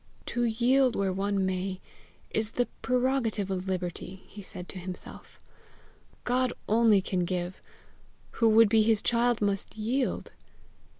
"To yield where one may, is the prerogative of liberty!" he said to himself. "God only can give; who would be his child must yield!